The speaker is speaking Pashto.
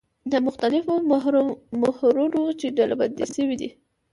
د مختلفو محورونو کې ډلبندي شوي دي.